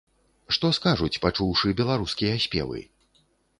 Што скажуць, пачуўшы беларускія спевы?